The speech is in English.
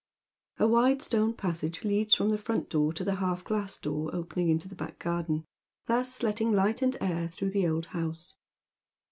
A wide stone passage leads from the front door to the half glass door opening into the back garden, tlms letting light and air through the old house.